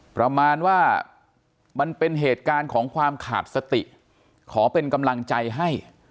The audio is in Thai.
ประมาณว่ามันเป็นเหตุการณ์ของความขาดสติขอเป็นกำลังใจให้